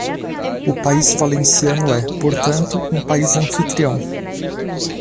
O país valenciano é, portanto, um país anfitrião.